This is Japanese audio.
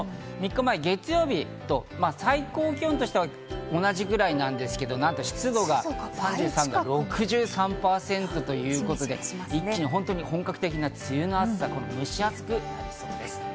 ３日前の月曜日、最高気温としては同じくらいなんですけど、なんと湿度が３３％から６３％ということで、一気に本格的な梅雨の暑さ、蒸し暑くなりそうです。